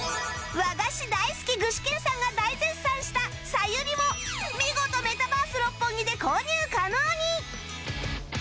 和菓子大好き具志堅さんが大絶賛した茶遊里も見事メタバース六本木で購入可能に！